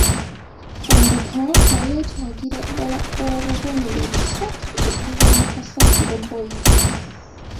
Onduparaka yeetagira ddala obubonero busatu okuva ku Kasasiro boys.